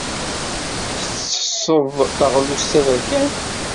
Tettesseḍ taɣlust taberkant?